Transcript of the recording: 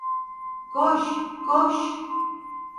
Koş, koş!